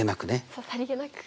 そうさりげなく。